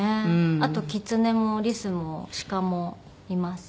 あとキツネもリスもシカもいます。